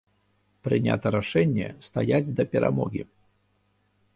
Прынята рашэнне стаяць да перамогі.